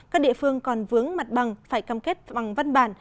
các địa phương còn vướng mặt bằng phải cam kết bằng văn bản